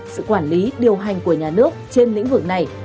sự quản lý điều hành của nhà nước trên lĩnh vực này